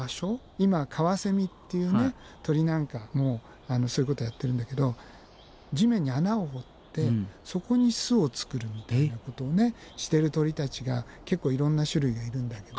今カワセミっていう鳥なんかもそういうことやってるんだけど地面に穴を掘ってそこに巣を作るみたいなことをしてる鳥たちが結構いろんな種類がいるんだけど。